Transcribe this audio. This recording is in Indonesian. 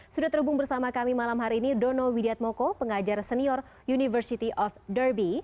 sudah terhubung bersama kami malam hari ini dono widiatmoko pengajar senior university of derby